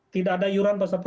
tidak ada yuran terhadap gitu ya